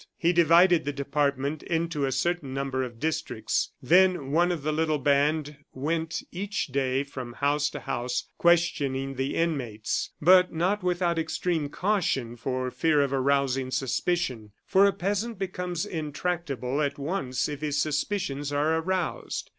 He divided the department into a certain number of districts; then one of the little band went each day from house to house questioning the inmates, but not without extreme caution, for fear of arousing suspicion, for a peasant becomes intractable at once if his suspicions are aroused.